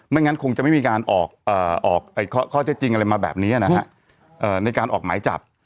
งั้นคงจะไม่มีการออกข้อเท็จจริงอะไรมาแบบนี้นะฮะในการออกหมายจับ